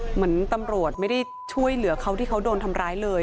เหมือนตำรวจไม่ได้ช่วยเหลือเขาที่เขาโดนทำร้ายเลย